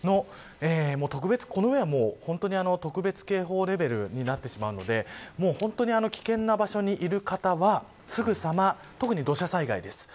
特別、この上は特別警報レベルになってしまうので本当に、危険な場所にいる方はすぐさま、特に土砂災害です。